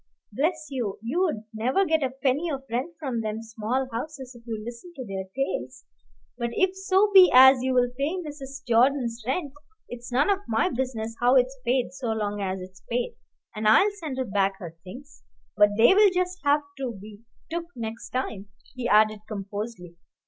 Bless you, you'd never get a penny of rent from them small houses if you listened to their tales. But if so be as you'll pay Mrs. Jordan's rent, it's none of my business how it's paid, so long as it's paid, and I'll send her back her things. But they'll just have to be took next time," he added composedly.